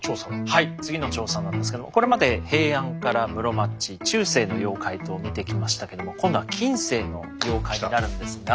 はい次の調査なんですけどもこれまで平安から室町中世の妖怪と見てきましたけども今度は近世の妖怪になるんですが。